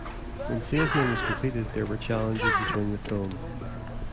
When "Salesman" was completed, there were challenges in showing the film.